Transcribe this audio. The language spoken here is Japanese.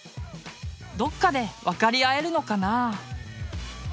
どっかで分かり合えるのかな。